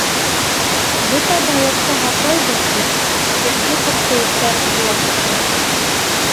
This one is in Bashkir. Бөтә байлыҡты, һаҡлайбыҙ тип, Сердюков кеүектәр урлап бөттө!